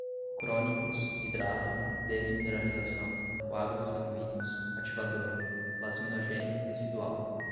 crônicos, hidratam, desmineralização, coágulos sanguíneos, ativador, plasminogênio tecidual